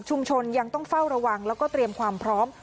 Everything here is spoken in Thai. ยังต้องเฝ้าระวังแล้วก็เตรียมความพร้อม